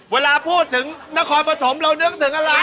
เวลาพูดถึงนครปฐมเรานึกถึงอะไร